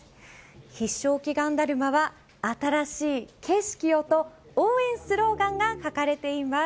必勝祈願だるまは「新しい景色を」と応援スローガンが書かれています。